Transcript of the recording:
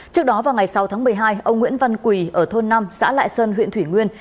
trước đó vào ngày sáu tháng một mươi hai ông nguyễn văn quỳ ở thôn năm xã lại xuân huyện thủy nguyên